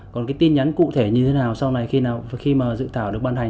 còn tin nhắn cụ thể như thế nào sau này khi mà dự thảo được ban hành